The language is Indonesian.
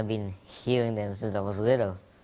saya telah mendengarnya sejak kecil